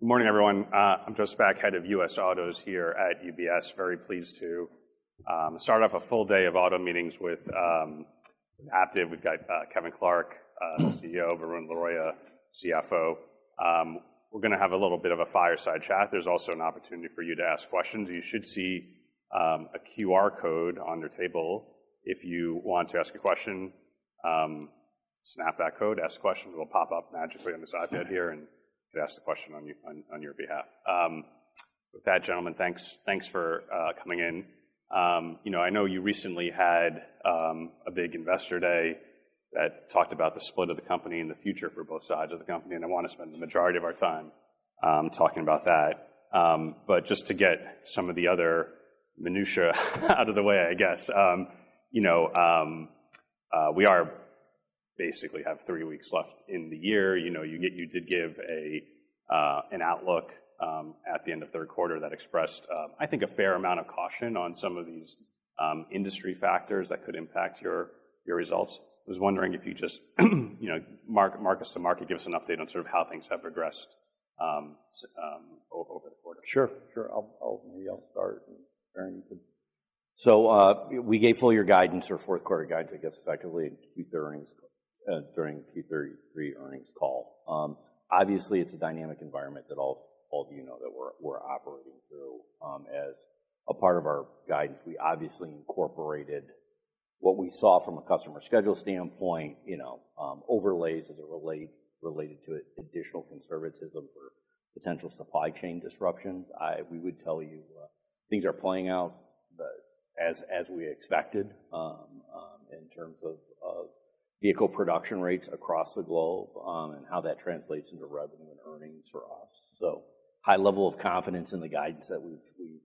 Good morning, everyone. I'm Joseph Spak, head of US Autos here at UBS. Very pleased to start off a full day of auto meetings with Aptiv. We've got Kevin Clark, CEO, Varun Laroyia, CFO. We're gonna have a little bit of a fireside chat. There's also an opportunity for you to ask questions. You should see a QR code on your table. If you want to ask a question, snap that code, ask a question. It'll pop up magically on this iPad here, and you can ask the question on your behalf. With that, gentlemen, thanks for coming in. You know, I know you recently had a big investor day that talked about the split of the company and the future for both sides of the company, and I wanna spend the majority of our time talking about that. But just to get some of the other minutia out of the way, I guess, you know, we are basically have three weeks left in the year. You know, you did give a, an outlook, at the end of 3rd quarter that expressed, I think, a fair amount of caution on some of these, industry factors that could impact your, your results. I was wondering if you just, you know, mark-to-market, give us an update on sort of how things have progressed, so over the quarter. Sure, sure. I'll maybe start, and Varun could. So, we gave full year guidance or 4th quarter guidance, I guess, effectively, and Q3 earnings during Q3 earnings call. Obviously, it's a dynamic environment that all of you know that we're operating through. As a part of our guidance, we obviously incorporated what we saw from a customer schedule standpoint, you know, overlays as it related to it, additional conservatism for potential supply chain disruptions. We would tell you, things are playing out, but as we expected, in terms of vehicle production rates across the globe, and how that translates into revenue and earnings for us. So high level of confidence in the guidance that we've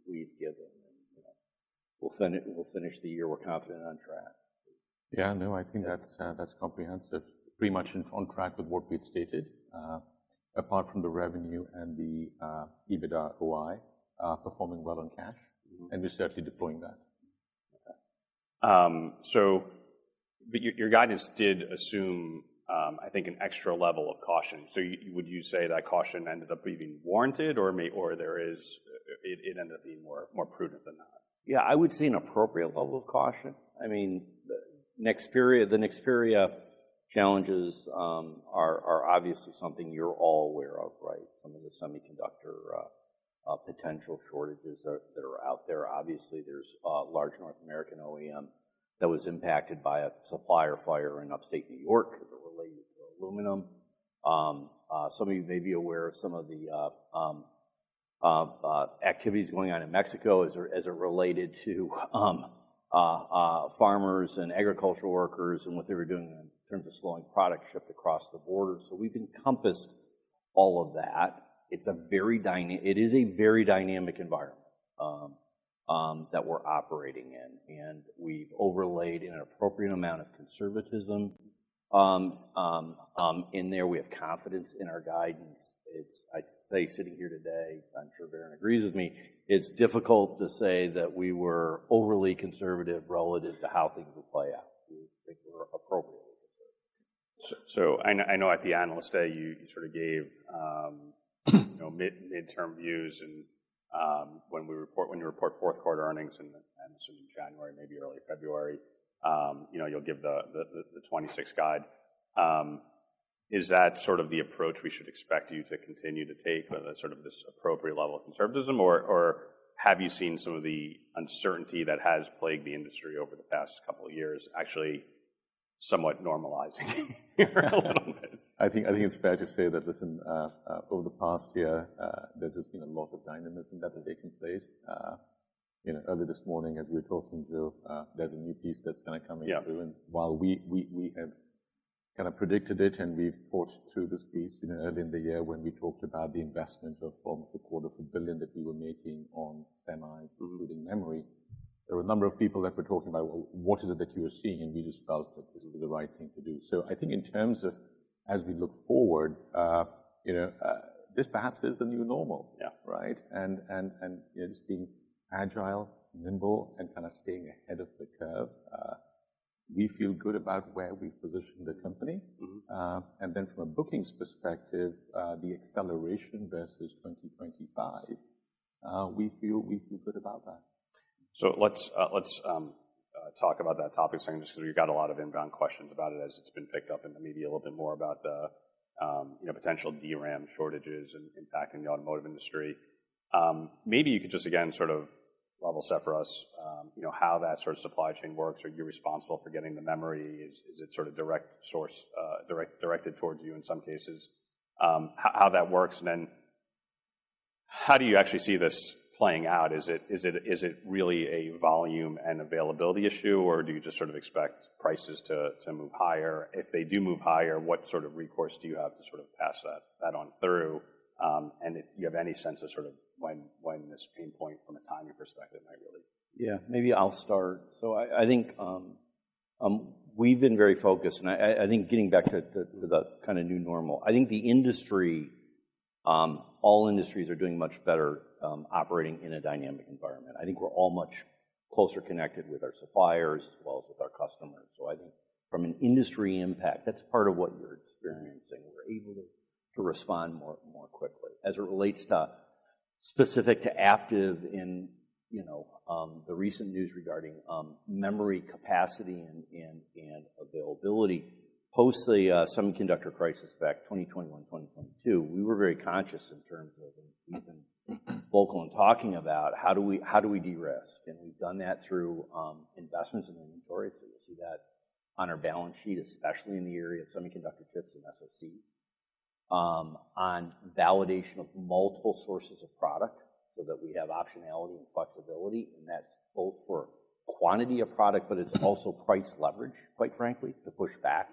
given, and, you know, we'll finish the year we're confident on track. Yeah, no, I think that's comprehensive, pretty much on track with what we'd stated, apart from the revenue and the EBITDA OI performing well on cash. We're certainly deploying that. Okay. So but your guidance did assume, I think, an extra level of caution. So would you say that caution ended up being warranted, or maybe it ended up being more prudent than not? Yeah, I would say an appropriate level of caution. I mean, the next period of challenges are obviously something you're all aware of, right? Some of the semiconductor potential shortages that are out there. Obviously, there's a large North American OEM that was impacted by a supplier fire in Upstate New York related to aluminum. Some of you may be aware of some of the activities going on in Mexico as it related to farmers and agricultural workers and what they were doing in terms of slowing product shipped across the border. So we've encompassed all of that. It is a very dynamic environment that we're operating in, and we've overlaid an appropriate amount of conservatism in there. We have confidence in our guidance. It's, I'd say, sitting here today, I'm sure Varun agrees with me, it's difficult to say that we were overly conservative relative to how things would play out. We think we're appropriately conservative. I know at the analyst day, you sort of gave, you know, mid-term views, and when you report fourth quarter earnings, and I'm assuming January, maybe early February, you know, you'll give the 2026 guide. Is that sort of the approach we should expect you to continue to take, sort of this appropriate level of conservatism, or have you seen some of the uncertainty that has plagued the industry over the past couple of years actually somewhat normalizing a little bit? I think it's fair to say that, listen, over the past year, there's just been a lot of dynamism that's taken place. You know, early this morning, as we were talking, Joe, there's a new piece that's gonna come in. Yeah. While we have kinda predicted it, and we've thought through this piece, you know, early in the year when we talked about the investment of almost $250 million that we were making on semis, including memory. There were a number of people that were talking about, well, what is it that you are seeing? And we just felt that this was the right thing to do. So I think in terms of as we look forward, you know, this perhaps is the new normal. Yeah. Right? And, you know, just being agile, nimble, and kinda staying ahead of the curve, we feel good about where we've positioned the company. And then from a bookings perspective, the acceleration versus 2025, we feel good about that. So let's talk about that topic soon, just 'cause we've got a lot of inbound questions about it as it's been picked up in the media a little bit more about the, you know, potential DRAM shortages and impacting the automotive industry. Maybe you could just again sort of level set for us, you know, how that sort of supply chain works. Are you responsible for getting the memory? Is it sort of direct sourced, directed towards you in some cases? How that works? And then how do you actually see this playing out? Is it really a volume and availability issue, or do you just sort of expect prices to move higher? If they do move higher, what sort of recourse do you have to sort of pass that on through? And if you have any sense of sort of when this pain point from a timing perspective might really? Yeah, maybe I'll start. So I think we've been very focused, and I think getting back to the kinda new normal, I think the industry, all industries are doing much better, operating in a dynamic environment. I think we're all much closer connected with our suppliers as well as with our customers. So I think from an industry impact, that's part of what you're experiencing. We're able to respond more quickly. As it relates specifically to Aptiv, you know, the recent news regarding memory capacity and availability post the semiconductor crisis back 2021, 2022, we were very conscious in terms of, and we've been vocal in talking about how do we de-risk. And we've done that through investments in inventory. You'll see that on our balance sheet, especially in the area of semiconductor chips and SOCs, on validation of multiple sources of product so that we have optionality and flexibility. That's both for quantity of product, but it's also price leverage, quite frankly, to push back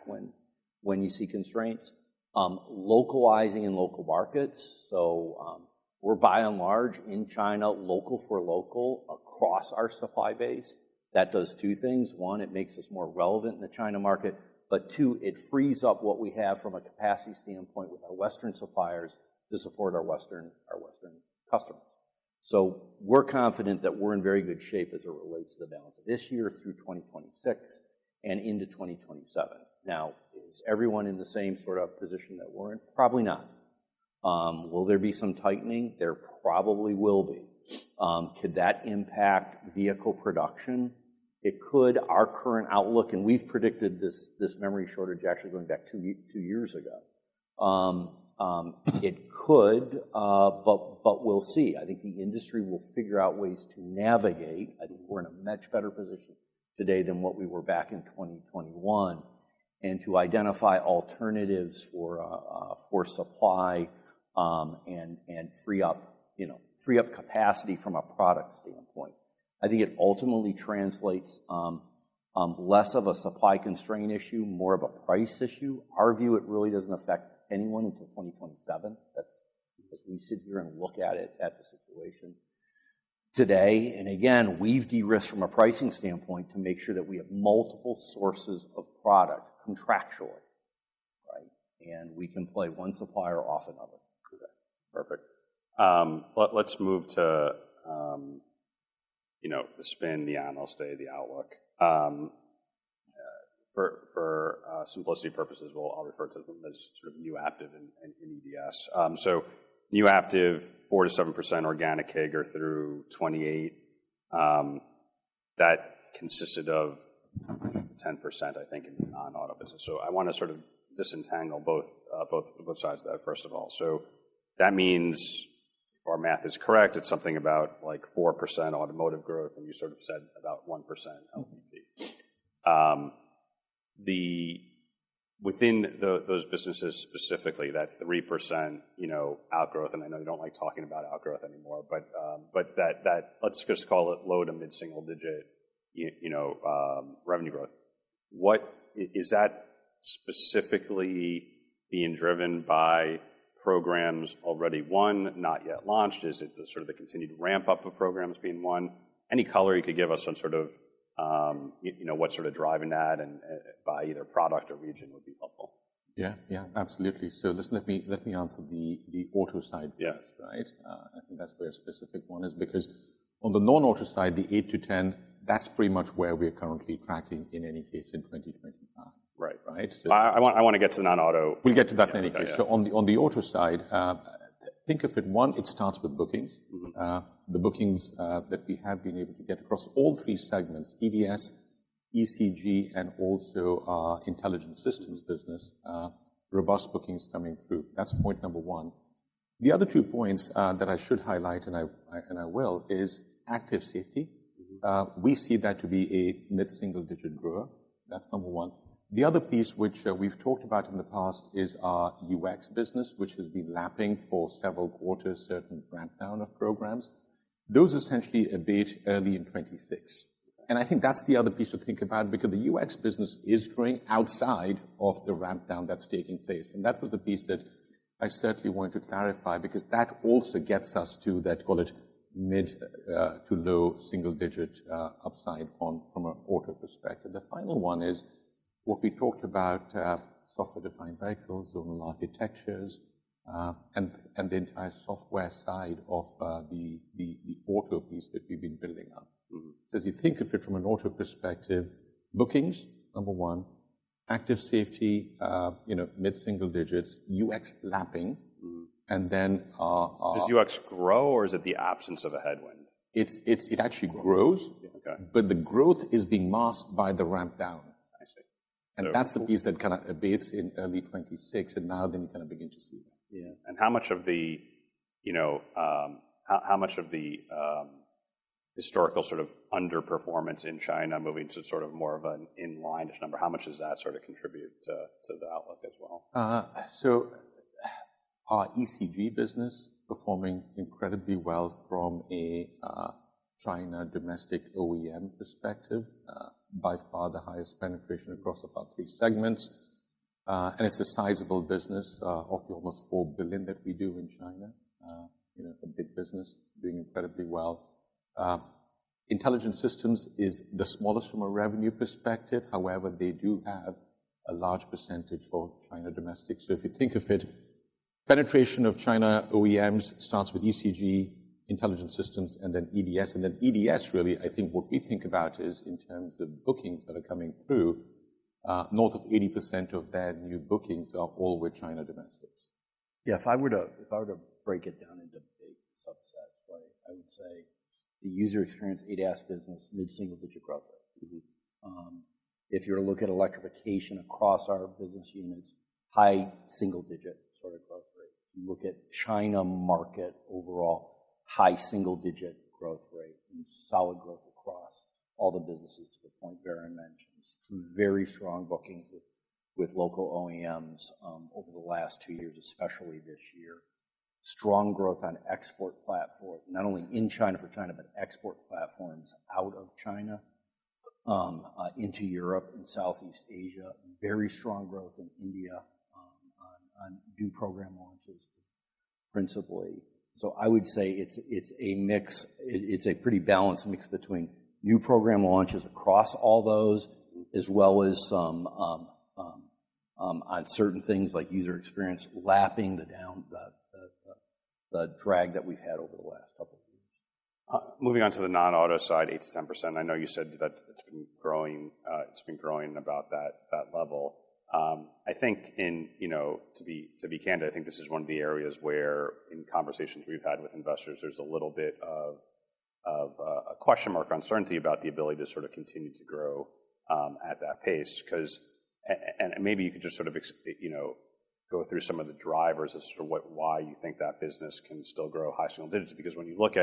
when you see constraints, localizing in local markets. We're by and large in China, local for local across our supply base. That does two things. One, it makes us more relevant in the China market, but two, it frees up what we have from a capacity standpoint with our Western suppliers to support our Western customers. We're confident that we're in very good shape as it relates to the balance of this year through 2026 and into 2027. Now, is everyone in the same sort of position that we're in? Probably not. Will there be some tightening? There probably will be. Could that impact vehicle production? It could. Our current outlook, and we've predicted this, this memory shortage actually going back two years ago. It could, but we'll see. I think the industry will figure out ways to navigate. I think we're in a much better position today than what we were back in 2021, and to identify alternatives for supply, and free up, you know, capacity from a product standpoint. I think it ultimately translates, less of a supply constraint issue, more of a price issue. Our view, it really doesn't affect anyone until 2027. That's as we sit here and look at it, at the situation today, and again, we've de-risked from a pricing standpoint to make sure that we have multiple sources of product contractually, right? And we can play one supplier off another. Perfect. Let's move to, you know, the spin, the analyst day, the outlook. For simplicity purposes, I'll refer to them as sort of new Aptiv and EDS. New Aptiv, 4%-7% organic CAGR through 2028. That consisted of 10%, I think, in non-auto business. So I wanna sort of disentangle both sides of that, first of all. That means if our math is correct, it's something about like 4% automotive growth, and you sort of said about 1% LVP. Within those businesses specifically, that 3%, you know, outgrowth, and I know you don't like talking about outgrowth anymore, but that let's just call it low- to mid-single-digit, you know, revenue growth. What is that specifically being driven by programs already won, not yet launched? Is it the sort of the continued ramp-up of programs being won? Any color you could give us on sort of, you know, what sort of driving that and, and by either product or region would be helpful. Yeah, yeah, absolutely. So let me answer the auto side first, right? Yeah. I think that's where a specific one is because on the non-auto side, the 8-10, that's pretty much where we are currently tracking in any case in 2025. Right. Right? I wanna get to the non-auto. We'll get to that in any case. So on the auto side, think of it. It starts with bookings. The bookings that we have been able to get across all three segments, EDS, ECG, and also Intelligent Systems business, robust bookings coming through. That's point number one. The other two points that I should highlight, and I, and I will, is Active Safety. We see that to be a mid-single-digit growth. That's number one. The other piece, which we've talked about in the past, is our UX business, which has been lapping for several quarters, certain ramp-down of programs. Those essentially abate early in 2026, and I think that's the other piece to think about because the UX business is growing outside of the ramp-down that's taking place, and that was the piece that I certainly wanted to clarify because that also gets us to that, call it mid- to low-single-digit, upside on from an auto perspective. The final one is what we talked about, software-defined vehicles, zonal architectures, and the entire software side of the auto piece that we've been building up. So as you think of it from an auto perspective, bookings, number one, Active Safety, you know, mid-single digits, UX lapping. And then, Does UX grow, or is it the absence of a headwind? It actually grows. Yeah. Okay. But the growth is being masked by the ramp-down. I see. And that's the piece that kinda abates in early 2026, and now then you kinda begin to see that. Yeah, and how much of the, you know, historical sort of underperformance in China moving to sort of more of an inline-ish number, how much does that sort of contribute to the outlook as well? So our ECG business performing incredibly well from a China domestic OEM perspective, by far the highest penetration across the three segments. And it's a sizable business, of the almost $4 billion that we do in China. You know, a big business doing incredibly well. Intelligent Systems is the smallest from a revenue perspective. However, they do have a large percentage for China domestic. So if you think of it, penetration of China OEMs starts with ECG, Intelligent Systems, and then EDS. And then EDS, really, I think what we think about is in terms of bookings that are coming through, north of 80% of their new bookings are all with China domestics. Yeah, if I were to, if I were to break it down into big subsets, right, I would say the User Experience EDS business, mid-single-digit growth rate. If you were to look at electrification across our business units, high single digit sort of growth rate. If you look at China market overall, high single digit growth rate and solid growth across all the businesses to the point Varun mentioned, very strong bookings with local OEMs, over the last two years, especially this year. Strong growth on export platform, not only in China for China, but export platforms out of China, into Europe and Southeast Asia. Very strong growth in India, on new program launches principally. So I would say it's a mix. It, it's a pretty balanced mix between new program launches across all those as well as some, on certain things like user experience lapping the down, the drag that we've had over the last couple of years. Moving on to the non-auto side, 8%-10%. I know you said that it's been growing about that level. I think, you know, to be candid, I think this is one of the areas where in conversations we've had with investors, there's a little bit of a question mark uncertainty about the ability to sort of continue to grow at that pace. 'Cause and maybe you could just sort of, you know, go through some of the drivers as to what why you think that business can still grow high single digits. Because when you look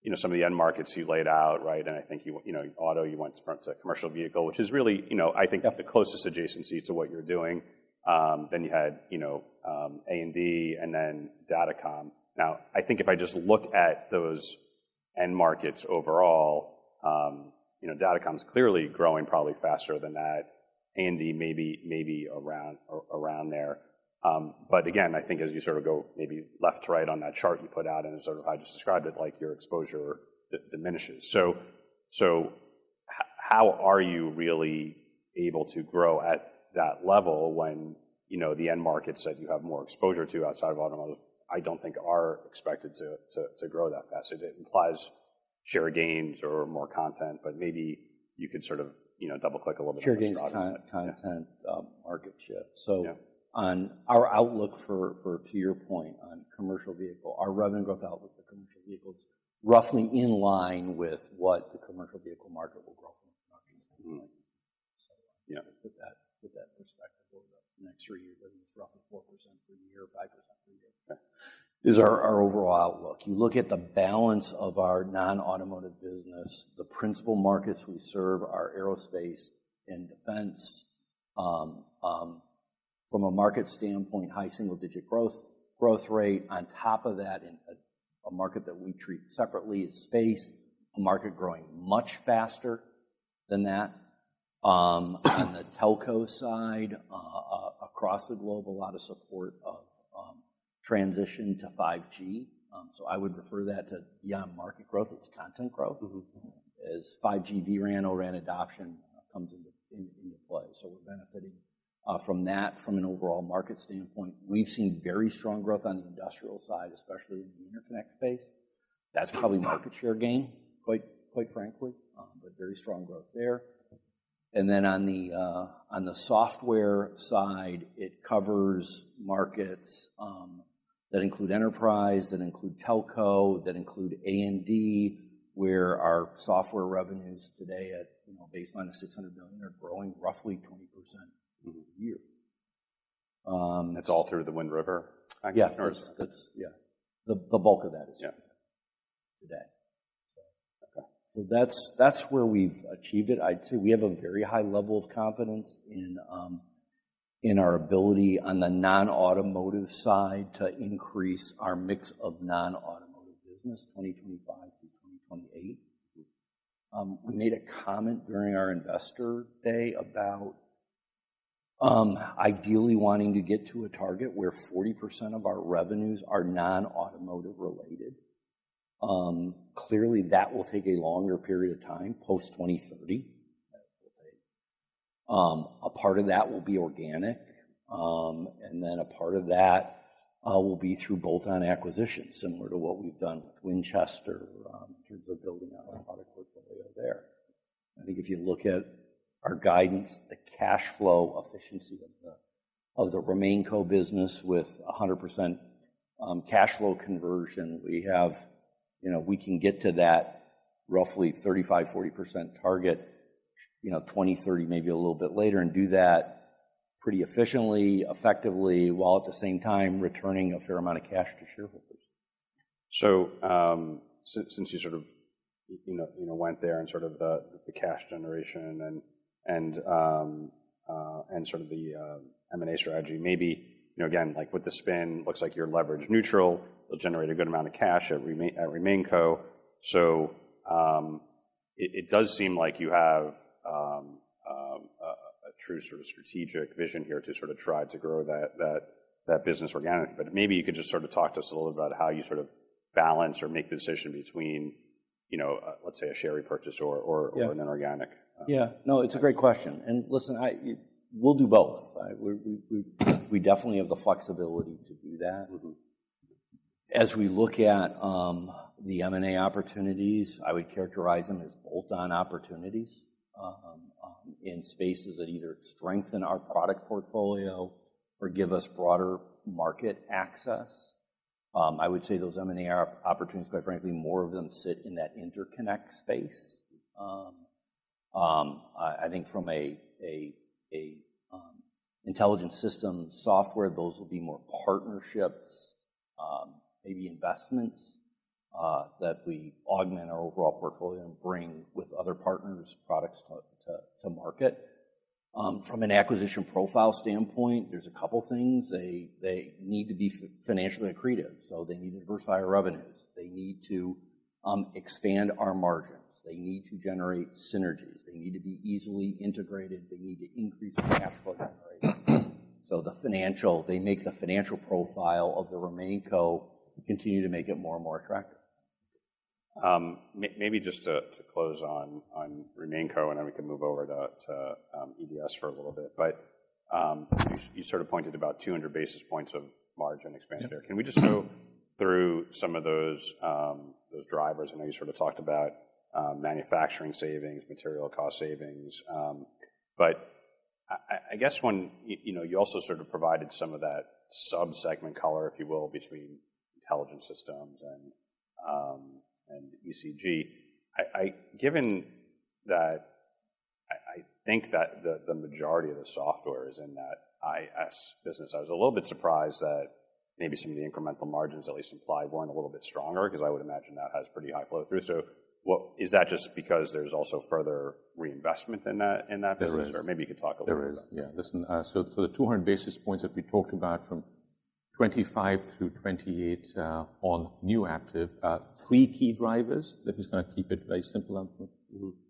at, you know, some of the end markets you laid out, right, and I think you, you know, from auto to commercial vehicle, which is really, you know, I think. Yep. The closest adjacency to what you're doing. Then you had, you know, A&D and then Datacom. Now, I think if I just look at those end markets overall, you know, Datacom's clearly growing probably faster than that. A&D maybe around there. But again, I think as you sort of go maybe left to right on that chart you put out and sort of how you just described it, like your exposure diminishes. So how are you really able to grow at that level when, you know, the end markets that you have more exposure to outside of automotive, I don't think are expected to grow that fast? It implies share gains or more content, but maybe you could sort of, you know, double-click a little bit more on the. Share gains, content, market shift. Yeah. On our outlook for to your point on commercial vehicle, our revenue growth outlook for commercial vehicle's roughly in line with what the commercial vehicle market will grow from a production standpoint. Yeah. With that, with that perspective over the next three years, roughly 4% per year, 5% per year. Okay. It's our overall outlook. You look at the balance of our non-automotive business, the principal markets we serve, our aerospace and defense, from a market standpoint, high single-digit growth rate. On top of that, in a market that we treat separately is space, a market growing much faster than that. On the telco side, across the globe, a lot of support of transition to 5G. So I would refer that to, yeah, market growth. It's content growth. As 5G vRAN, ORAN adoption comes into play. So we're benefiting from that from an overall market standpoint. We've seen very strong growth on the industrial side, especially in the interconnect space. That's probably market share gain, quite frankly, but very strong growth there. And then on the software side, it covers markets that include enterprise, telco, and A&D, where our software revenues today, you know, at a baseline of $600 million are growing roughly 20%. A year. That's all through the Wind River? Yeah, of course. That's, yeah. The bulk of that is today. Yeah. Okay. That's where we've achieved it. I'd say we have a very high level of confidence in our ability on the non-automotive side to increase our mix of non-automotive business 2025 through 2028. We made a comment during our investor day about ideally wanting to get to a target where 40% of our revenues are non-automotive related. Clearly that will take a longer period of time post 2030. That will take. A part of that will be organic, and then a part of that will be through bolt-on acquisition, similar to what we've done with Winchester, in terms of building out our product portfolio there. I think if you look at our guidance, the cash flow efficiency of the RemainCo business with 100% cash flow conversion, we have, you know, we can get to that roughly 35%-40% target, you know, 2030, maybe a little bit later and do that pretty efficiently, effectively, while at the same time returning a fair amount of cash to shareholders. So, since you sort of, you know, went there and sort of the cash generation and sort of the M&A strategy, maybe, you know, again, like with the spin, looks like you're leverage neutral, you'll generate a good amount of cash at RemainCo. It does seem like you have a true sort of strategic vision here to sort of try to grow that business organically. But maybe you could just sort of talk to us a little bit about how you sort of balance or make the decision between, you know, let's say a share repurchase or an organic. Yeah. No, it's a great question, and listen, we'll do both. We definitely have the flexibility to do that. As we look at the M&A opportunities, I would characterize them as bolt-on opportunities in spaces that either strengthen our product portfolio or give us broader market access. I would say those M&A opportunities, quite frankly, more of them sit in that interconnect space. I think from an Intelligent Systems software, those will be more partnerships, maybe investments, that we augment our overall portfolio and bring with other partners' products to market. From an acquisition profile standpoint, there are a couple things. They need to be financially accretive. So they need to diversify our revenues. They need to expand our margins. They need to generate synergies. They need to be easily integrated. They need to increase cash flow generation. So they make the financial profile of the RemainCo continue to make it more and more attractive. Maybe just to close on RemainCo and then we can move over to EDS for a little bit. But you sort of pointed about 200 basis points of margin expanded there. Can we just go through some of those drivers? I know you sort of talked about manufacturing savings, material cost savings. But I guess, you know, you also sort of provided some of that subsegment color, if you will, between intelligent systems and ECG. Given that I think that the majority of the software is in that IS business, I was a little bit surprised that maybe some of the incremental margins at least implied weren't a little bit stronger 'cause I would imagine that has pretty high flow through. So what is that just because there's also further reinvestment in that, in that business? There is. Or maybe you could talk a little bit about that. There is. Yeah. Listen, so for the 200 basis points that we talked about from 2025 through 2028, on new Active, three key drivers that is gonna keep it very simple and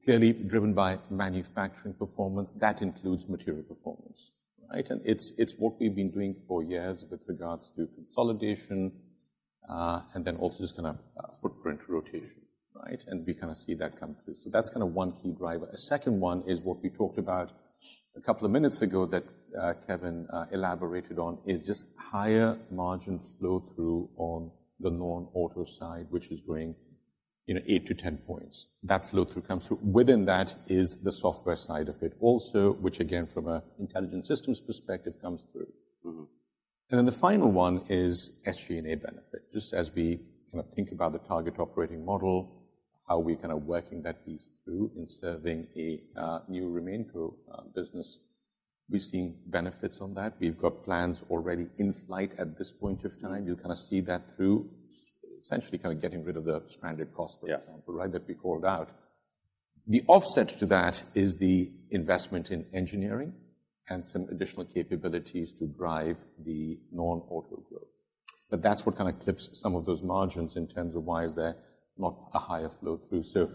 clearly driven by manufacturing performance. That includes material performance, right? And it's what we've been doing for years with regards to consolidation, and then also just kind of footprint rotation, right? And we kinda see that come through. So that's kinda one key driver. A second one is what we talked about a couple of minutes ago that Kevin elaborated on is just higher margin flow through on the non-auto side, which is going, you know, 8-10 points. That flow through comes through. Within that is the software side of it also, which again, from an Intelligent Systems perspective comes through. And then the final one is SG&A benefit. Just as we kinda think about the target operating model, how we're kinda working that piece through in serving a new RemainCo business, we've seen benefits on that. We've got plans already in flight at this point of time. You'll kinda see that through essentially kinda getting rid of the stranded cost for example, right, that we called out. The offset to that is the investment in engineering and some additional capabilities to drive the non-auto growth. But that's what kinda clips some of those margins in terms of why is there not a higher flow through. So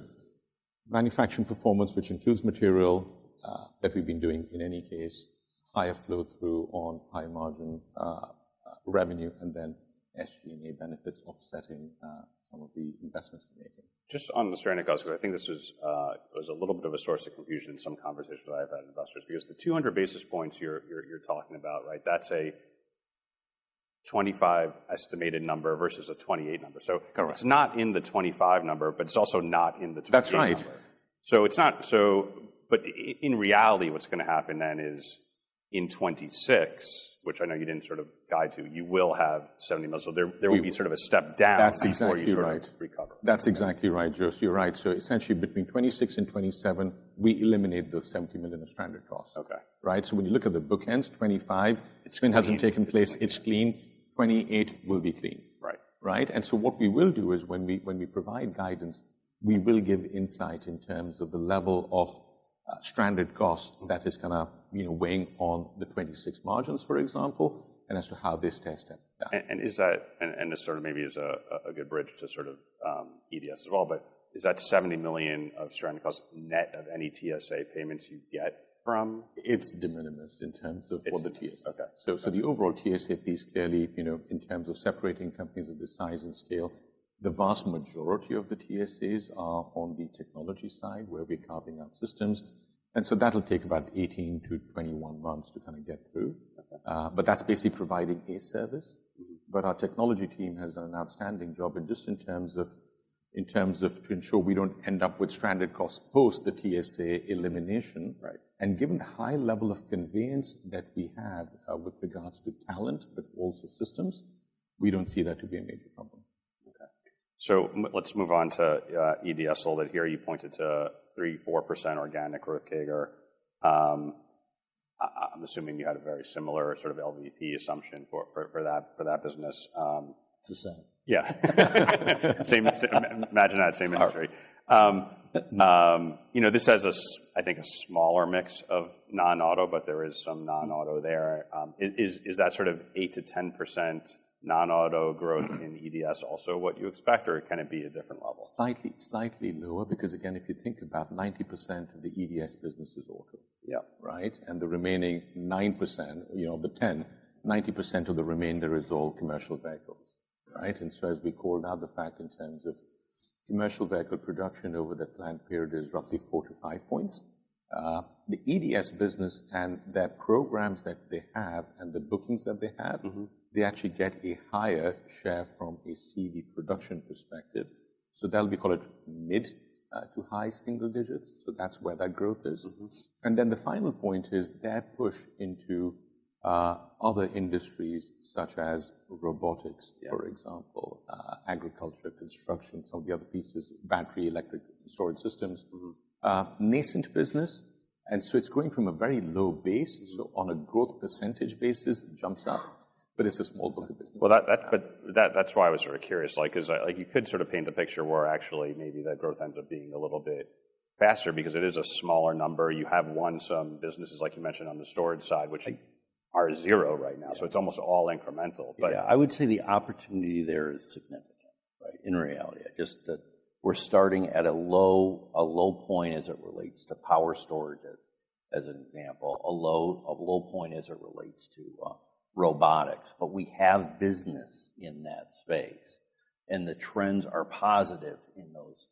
manufacturing performance, which includes material, that we've been doing in any case, higher flow through on high margin revenue, and then SG&A benefits offsetting some of the investments we're making. Just on the stranded cost, 'cause I think this was a little bit of a source of confusion in some conversations that I've had with investors. Because the 200 basis points you're talking about, right, that's a 25 estimated number versus a 28 number. So. Correct. It's not in the 25 number, but it's also not in the 28 number. That's right. In reality, what's gonna happen then is in 2026, which I know you didn't sort of guide to. You will have 70 million, so there will be sort of a step down. That's exactly right. Before you sort of recover. That's exactly right, Josh. You're right. So essentially between 2026 and 2027, we eliminate the $70 million of stranded cost. Okay. Right? So when you look at the bookends, 2025, spin hasn't taken place. It's clean. 2028 will be clean. Right. Right? And so what we will do is, when we provide guidance, we will give insight in terms of the level of stranded cost that is kinda, you know, weighing on the 2026 margins, for example, and as to how this tests out. This sort of maybe is a good bridge to sort of EDS as well, but is that $70 million of stranded cost net of any TSA payments you get from? It's de minimis in terms of for the TSA. Okay. So, the overall TSA piece clearly, you know, in terms of separating companies of the size and scale, the vast majority of the TSAs are on the technology side where we're carving out systems. And so that'll take about 18 to 21 months to kinda get through. Okay. But that's basically providing a service. Mm-hmm. Our technology team has done an outstanding job and just in terms of to ensure we don't end up with stranded cost post the TSA elimination. Right. Given the high level of conveyance that we have, with regards to talent, but also systems, we don't see that to be a major problem. Okay. So let's move on to EDS a little bit here. You pointed to 3%-4% organic growth CAGR. I'm assuming you had a very similar sort of LVP assumption for that business. It's the same. Yeah. Same. Imagine that same industry, you know. This has a, I think, a smaller mix of non-auto, but there is some non-auto there. Is that sort of 8%-10% non-auto growth in EDS also what you expect, or can it be a different level? Slightly, slightly lower. Because again, if you think about 90% of the EDS business is auto. Yeah. Right? And the remaining 9%, you know, of the 10%, 90% of the remainder is all commercial vehicles, right? And so as we called out, the fact in terms of commercial vehicle production over that planned period is roughly 4-5 points. The EDS business and their programs that they have and the bookings that they have. They actually get a higher share from a CV production perspective. So that'll be called mid- to high-single digits. So that's where that growth is. And then the final point is their push into other industries such as robotics, for example, agriculture, construction, some of the other pieces, battery, electric, storage systems. Nascent business, and so it's going from a very low base. So on a growth percentage basis, it jumps up, but it's a small book of business. But that's why I was sort of curious, like, 'cause I, like, you could sort of paint the picture where actually maybe that growth ends up being a little bit faster because it is a smaller number. You have won some businesses, like you mentioned, on the storage side, which are zero right now. So it's almost all incremental. But. Yeah. I would say the opportunity there is significant. Right. In reality. Just that we're starting at a low point as it relates to power storage as an example, a low point as it relates to robotics. But we have business in that space, and the trends are positive in those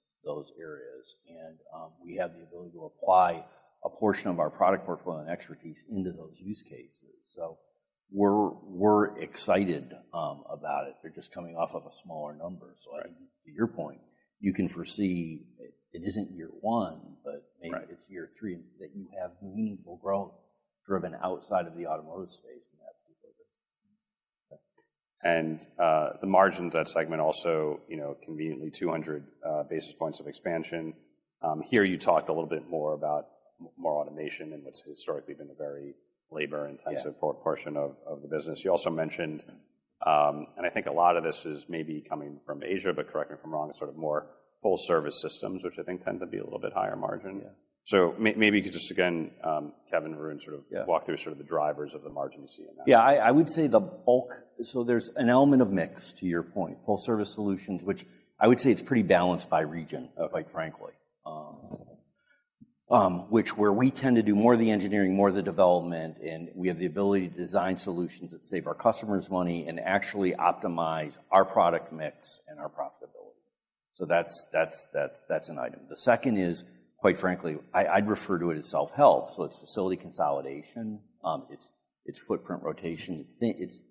areas. And we have the ability to apply a portion of our product portfolio and expertise into those use cases. So we're excited about it. They're just coming off of a smaller number. Right. So I think to your point, you can foresee it isn't year one, but maybe it's year three that you have meaningful growth driven outside of the automotive space in that field. Okay. And the margins at segment also, you know, conveniently 200 basis points of expansion. Here you talked a little bit more about more automation and what's historically been a very labor-intensive portion of the business. You also mentioned, and I think a lot of this is maybe coming from Asia, but correct me if I'm wrong, it's sort of more full service systems, which I think tend to be a little bit higher margin. Yeah. Maybe you could just again, Kevin and Varun sort of. Yeah. Walk through sort of the drivers of the margin you see in that. Yeah. I would say the bulk, so there's an element of mix to your point, full service solutions, which I would say it's pretty balanced by region, quite frankly, which is where we tend to do more of the engineering, more of the development, and we have the ability to design solutions that save our customers money and actually optimize our product mix and our profitability. So that's an item. The second is, quite frankly, I'd refer to it as self-help. So it's facility consolidation. It's footprint rotation. It's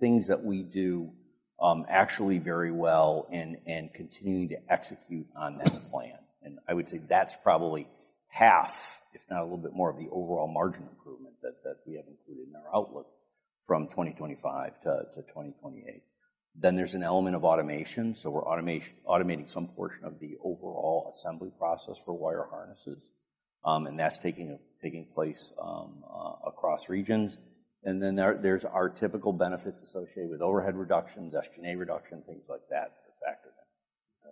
things that we do actually very well and continue to execute on that plan. I would say that's probably half, if not a little bit more of the overall margin improvement that we have included in our outlook from 2025 to 2028. There's an element of automation. We're automating some portion of the overall assembly process for wire harnesses. That's taking place across regions. Then there's our typical benefits associated with overhead reductions, SG&A reduction, things like that factor in. Okay.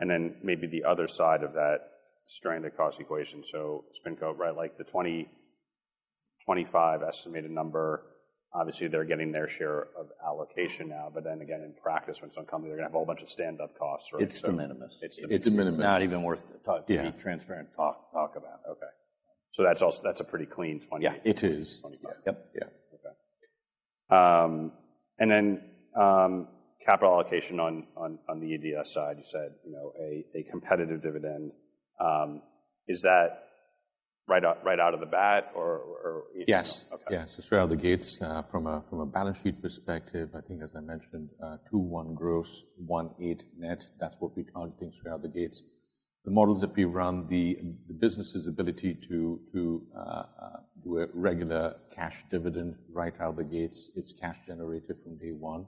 And then maybe the other side of that stranded cost equation. So SpinCo, right, like the 20-25 estimated number, obviously they're getting their share of allocation now. But then again, in practice, when it's uncommon, they're gonna have a whole bunch of stand-up costs, right? It's de minimis. It's de minimis. It's not even worth talking. Yeah. To be transparent. Talk about. Okay. So that's also a pretty clean 20. Yeah. It is. 25. Yep. Yeah. Okay. And then, capital allocation on the EDS side, you said, you know, a competitive dividend. Is that right out of the gate or? Yes. Okay. Yeah. So throughout the gates, from a balance sheet perspective, I think, as I mentioned, 2.1 gross, 1.8 net. That's what we're targeting throughout the gates. The models that we run, the business's ability to do a regular cash dividend right out of the gates, it's cash generated from day one.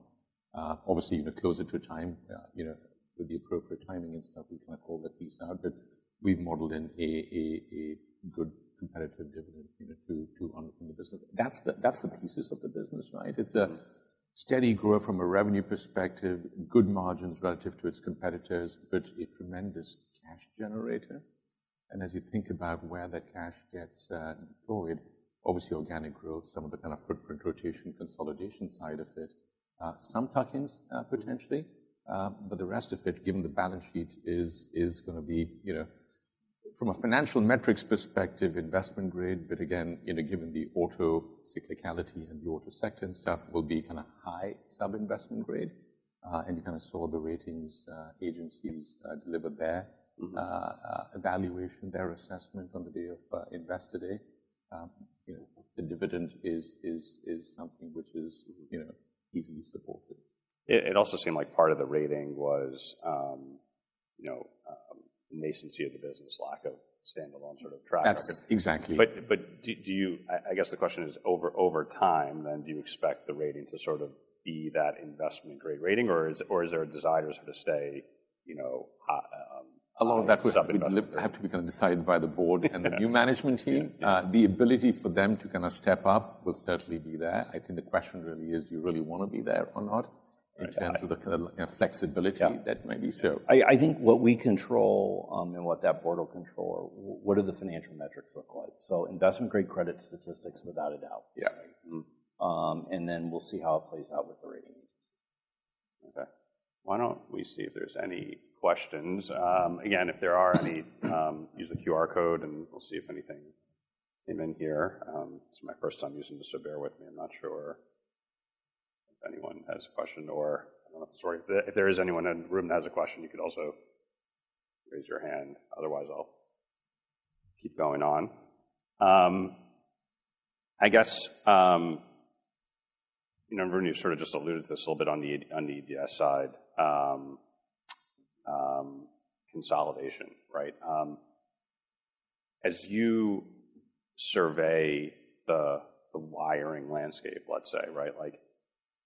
Obviously, you know, closer to time, you know, with the appropriate timing and stuff, we kinda call that piece out. But we've modeled in a good competitive dividend, you know, to run from the business. That's the thesis of the business, right? It's a steady growth from a revenue perspective, good margins relative to its competitors, but a tremendous cash generator. And as you think about where that cash gets employed, obviously organic growth, some of the kind of footprint rotation, consolidation side of it, some tuck-ins, potentially. But the rest of it, given the balance sheet, is gonna be, you know, from a financial metrics perspective, investment grade. But again, you know, given the auto cyclicality and the auto sector and stuff, will be kinda high sub-investment grade. And you kinda saw the ratings agencies delivered there. evaluation, their assessment on the day of, invest today, you know, the dividend is something which is, you know, easily supported. It also seemed like part of the rating was, you know, nascency of the business, lack of standalone sort of track. That's exactly. But do you? I guess the question is, over time then, do you expect the rating to sort of be that investment grade rating? Or is there a desire to sort of stay, you know, high? A lot of that would have to be kinda decided by the board and the new management team. The ability for them to kinda step up will certainly be there. I think the question really is, do you really wanna be there or not? Okay. In terms of the kinda, you know, flexibility that may be served. I think what we control, and what that board will control are, what do the financial metrics look like? So investment grade credit statistics without a doubt. Yeah. Right? And then we'll see how it plays out with the rating agency. Okay. Why don't we see if there's any questions? Again, if there are any, use the QR code and we'll see if anything came in here. It's my first time using this, so bear with me. I'm not sure if anyone has a question or I don't know if this works. If there is anyone in the room that has a question, you could also raise your hand. Otherwise, I'll keep going on. I guess, you know, Varun sort of just alluded to this a little bit on the, on the EDS side, consolidation, right? As you survey the, the wiring landscape, let's say, right,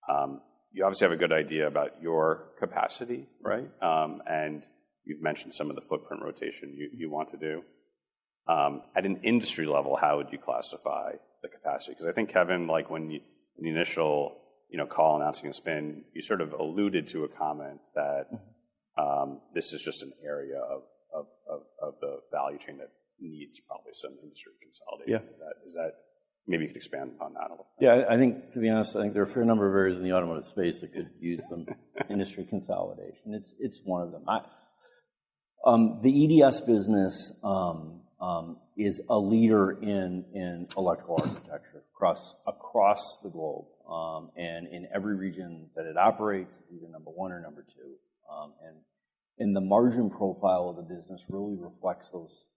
like, you obviously have a good idea about your capacity, right? And you've mentioned some of the footprint rotation you, you want to do. At an industry level, how would you classify the capacity? Because I think, Kevin, like when you, in the initial, you know, call announcing a spin, you sort of alluded to a comment that. This is just an area of the value chain that needs probably some industry consolidation. Yeah. Is that maybe you could expand upon that a little bit? Yeah. I think, to be honest, there are a fair number of areas in the automotive space that could use some industry consolidation. It's one of them. The EDS business is a leader in electrical architecture across the globe. And in every region that it operates, it's either number one or number two. And the margin profile of the business really reflects those.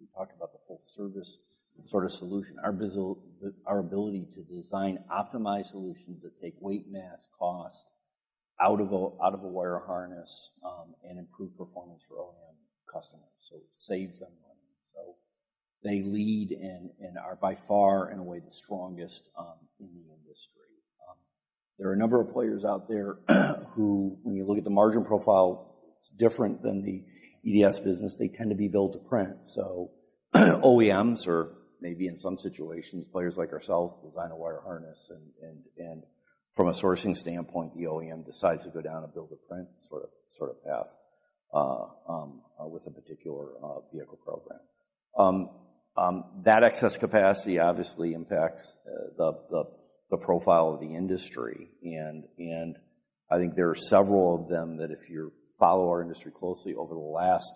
We've talked about the full service sort of solution. Our biz, our ability to design optimized solutions that take weight, mass, cost out of a wire harness, and improve performance for OEM customers. So it saves them money. So they lead and are by far, in a way, the strongest in the industry. There are a number of players out there who, when you look at the margin profile, it's different than the EDS business. They tend to be build-to-print. So OEMs or maybe in some situations, players like ourselves design a wire harness and from a sourcing standpoint, the OEM decides to go down a build-to-print sort of path with a particular vehicle program. That excess capacity obviously impacts the profile of the industry. And I think there are several of them that if you follow our industry closely over the last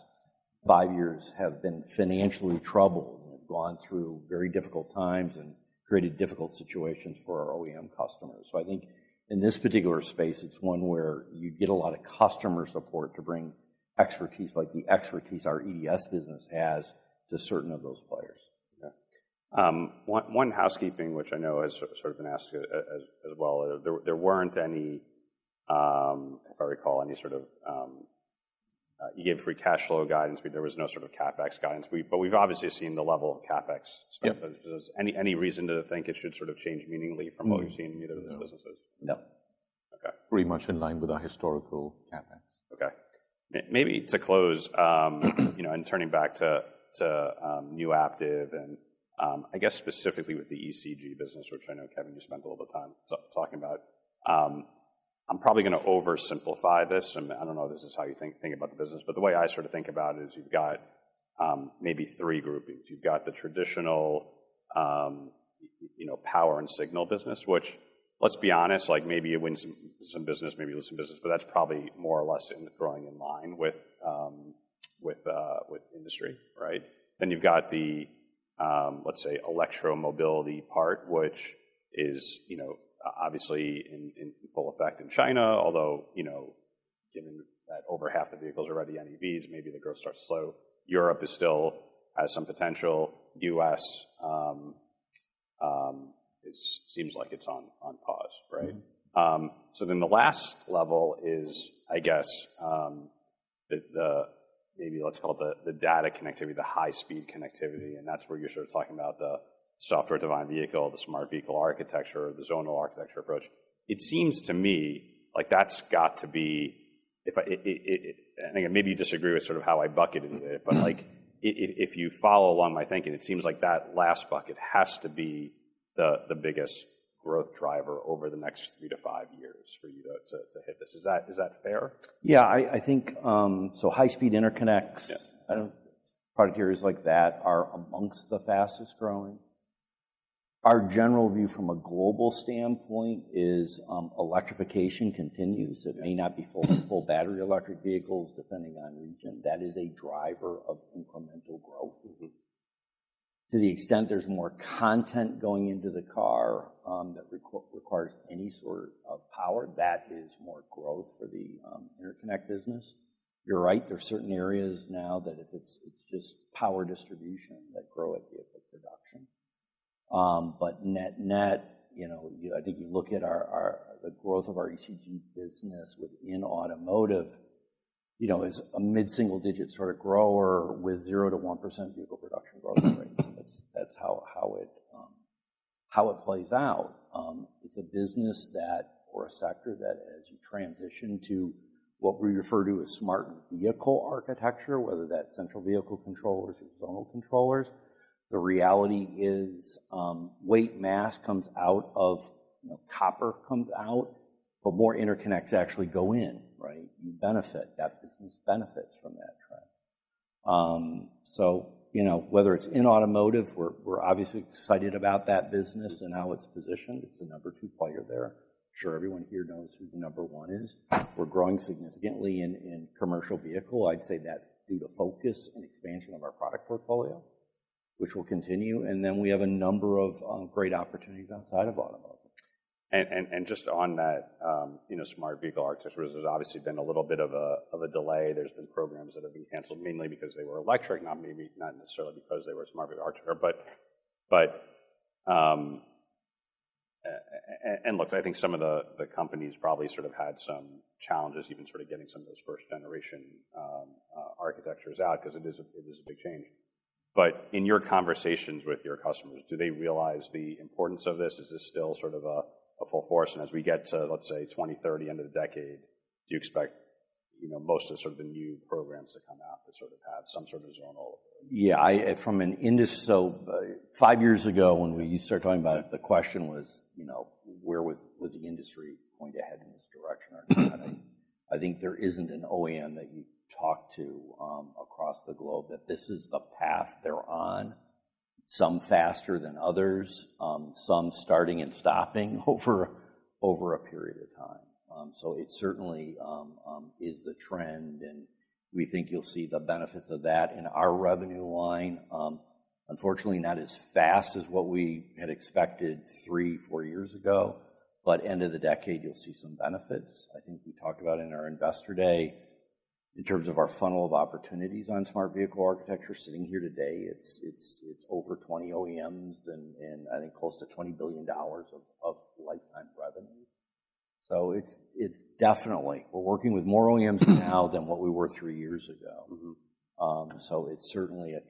five years have been financially troubled and have gone through very difficult times and created difficult situations for our OEM customers. So I think in this particular space, it's one where you get a lot of customer support to bring expertise like the expertise our EDS business has to certain of those players. Okay. One housekeeping, which I know has sort of been asked as well. There weren't any, if I recall, any sort of. You gave free cash flow guidance, but there was no sort of CapEx guidance. But we've obviously seen the level of CapEx. Yeah. Is there any reason to think it should sort of change meaningfully from what we've seen in either of those businesses? No. Okay. Pretty much in line with our historical CapEx. Okay. Maybe to close, you know, and turning back to new Aptiv and, I guess specifically with the ECG business, which I know, Kevin, you spent a little bit of time talking about. I'm probably gonna oversimplify this. I mean, I don't know if this is how you think about the business, but the way I sort of think about it is you've got, maybe three groupings. You've got the traditional, you know, power and signal business, which let's be honest, like maybe it wins some business, maybe lose some business, but that's probably more or less growing in line with industry, right? Then you've got the, let's say, electromobility part, which is, you know, obviously in full effect in China, although, you know, given that over half the vehicles are already NEVs, maybe the growth starts slow. Europe still has some potential. U.S., it seems like it's on pause, right? So then the last level is, I guess, the maybe let's call it the data connectivity, the high-speed connectivity, and that's where you're sort of talking about the software-defined vehicle, the smart vehicle architecture, the zonal architecture approach. It seems to me, like that's got to be, if I, and again, maybe you disagree with sort of how I bucketed it, but like it, if you follow along my thinking, it seems like that last bucket has to be the biggest growth driver over the next three-to-five years for you to hit this. Is that fair? Yeah. I think, so high-speed interconnects. Yeah. I don't know. Product areas like that are amongst the fastest growing. Our general view from a global standpoint is, electrification continues. It may not be full, full battery electric vehicles depending on region. That is a driver of incremental growth. To the extent there's more content going into the car, that requires any sort of power, that is more growth for the interconnect business. You're right. There's certain areas now that if it's just power distribution that grow at vehicle production. But net, you know, I think you look at the growth of our ECG business within automotive, you know, is a mid-single digit sort of grower with 0%-1% vehicle production growth rate. That's how it plays out. It's a business that, or a sector that as you transition to what we refer to as smart vehicle architecture, whether that's central vehicle controllers or zonal controllers, the reality is, weight, mass comes out of, you know, copper comes out, but more interconnects actually go in, right? You benefit. That business benefits from that trend. So, you know, whether it's in automotive, we're obviously excited about that business and how it's positioned. It's the number two player there. I'm sure everyone here knows who the number one is. We're growing significantly in commercial vehicle. I'd say that's due to focus and expansion of our product portfolio, which will continue. And then we have a number of great opportunities outside of automotive. And just on that, you know, Smart Vehicle Architecture, there's obviously been a little bit of a delay. There's been programs that have been canceled mainly because they were electric, not maybe not necessarily because they were Smart Vehicle Architecture, but and look, I think some of the companies probably sort of had some challenges even sort of getting some of those 1st generation architectures out 'cause it is a big change. But in your conversations with your customers, do they realize the importance of this? Is this still sort of a full force? And as we get to, let's say, 2030, end of the decade, do you expect, you know, most of the new programs to come out to sort of have some sort of zonal? Yeah. From an industry so five years ago when we started talking about it, the question was, you know, where was the industry going to head in this direction? I think there isn't an OEM that you talk to, across the globe that this is the path they're on, some faster than others, some starting and stopping over a period of time. So it certainly is the trend, and we think you'll see the benefits of that in our revenue line. Unfortunately, not as fast as what we had expected three, four years ago, but end of the decade, you'll see some benefits. I think we talked about it in our investor day in terms of our funnel of opportunities on Smart Vehicle Architecture. Sitting here today, it's over 20 OEMs and I think close to $20 billion of lifetime revenue. So, it's definitely we're working with more OEMs now than what we were three years ago. So it's certainly a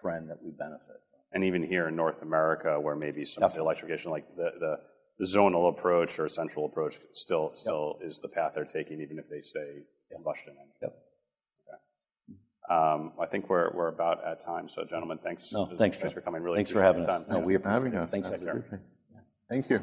trend that we benefit from. And even here in North America where maybe some of the electrification, like the zonal approach or central approach, still is the path they're taking even if they stay in combustion. Yep. Okay. I think we're about at time. So, gentlemen, thanks for. No, thanks, John. Thanks for coming. Really appreciate your time. Thanks for having us. No, we appreciate your time. Thanks, gentlemen. Yes. Thank you.